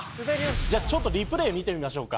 じゃあちょっとリプレイ見てみましょうか。